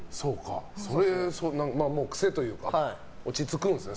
癖というか落ち着くんですね